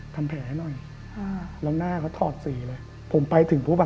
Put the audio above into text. ทำแผลให้หน่อยอ่าแล้วหน้าเขาถอดสีเลยผมไปถึงปุ๊บอ่ะ